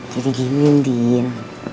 jadi giniin din